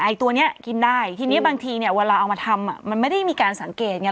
ตัวนี้กินได้ทีนี้บางทีเนี่ยเวลาเอามาทำอ่ะมันไม่ได้มีการสังเกตไง